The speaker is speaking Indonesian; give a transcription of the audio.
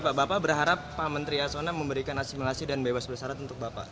pak bapak berharap pak menteri asona memberikan asimilasi dan bebas bersarat untuk bapak